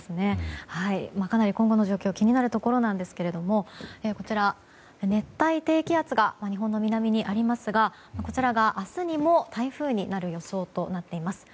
かなり今後の状況が気になるところなんですが熱帯低気圧が日本の南にありますがこちらが明日にも台風になる予想となっています。